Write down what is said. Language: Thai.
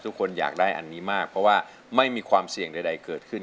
ทุกคนอยากได้อันนี้มากเพราะว่าไม่มีความเสี่ยงใดเกิดขึ้น